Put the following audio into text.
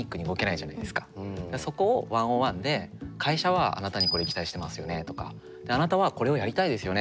そこを１ｏｎ１で「会社はあなたにこれ期待してますよね」とか「あなたはこれをやりたいですよね。